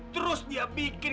terus dia bikin